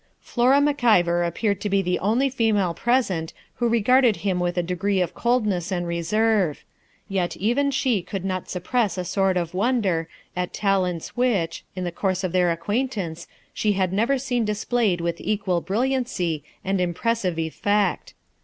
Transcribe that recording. Flora Mac Ivor appeared to be the only female present who regarded him with a degree of coldness and reserve; yet even she could not suppress a sort of wonder at talents which, in the course of their acquaintance, she had never seen displayed with equal brilliancy and impressive effect.